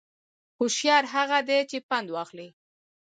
هوشیار هغه دی چې پند واخلي